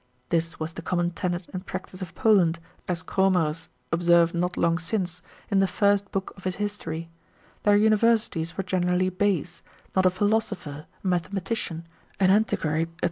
This was the common tenet and practice of Poland, as Cromerus observed not long since, in the first book of his history; their universities were generally base, not a philosopher, a mathematician, an antiquary, &c.